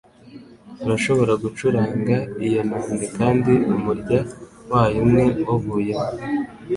Urashobora gucuranga iyo nanga kandi umurya wayo umwe wavuyemo?